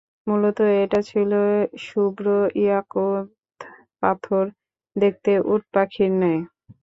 মূলত এটা ছিল শুভ্র ইয়াকূত পাথর, দেখতে উট পাখির ন্যায়।